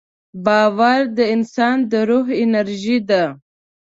باور د انسان د روح انرژي ده.